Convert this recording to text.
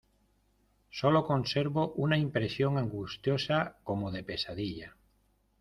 sólo conservo una impresión angustiosa como de pesadilla.